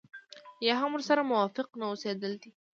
يا هم ورسره موافق نه اوسېدل دي.